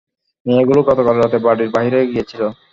মেয়েগুলো গতকাল রাতে বাড়ির বাহিরে গিয়েছিল।